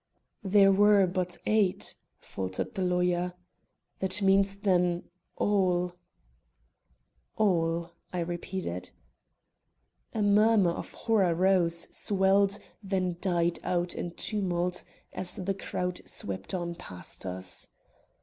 "There were but eight," faltered the lawyer; "that means, then, all?" "All," I repeated. A murmur of horror rose, swelled, then died out in tumult as the crowd swept on past us.